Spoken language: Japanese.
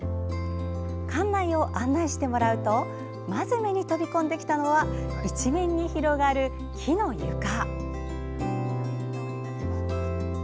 館内を案内してもらうとまず目に飛び込んできたのは一面に広がる木の床。